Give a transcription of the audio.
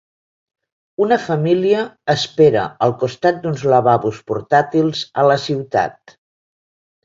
Una família espera al costat d'uns lavabos portàtils a la ciutat.